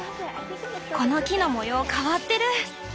この木の模様変わってる。